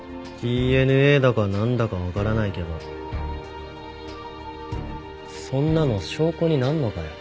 ＤＮＡだかなんだかわからないけどそんなの証拠になるのかよ。